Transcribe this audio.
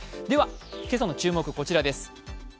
では今朝の注目、こちらです。